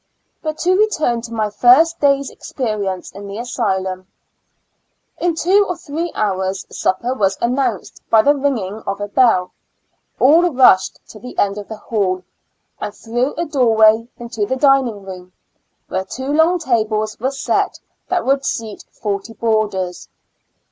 But to return to my first day\s experience in the asykim. In two or three hours, supper was annomiced by the ringing of a bell; all rushed to the end of the hall, and through a doorway into the dining room, where two long tables were set that would seat forty boarders.